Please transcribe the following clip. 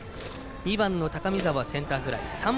高見澤センターフライ。